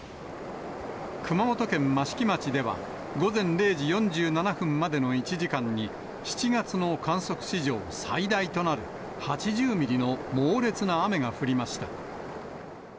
熊本県益城町では午前０時４７分までの１時間に、７月の観測史上最大となる、８０ミリの猛烈な雨が降りました。